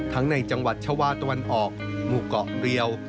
ในจังหวัดชาวาตะวันออกหมู่เกาะเรียว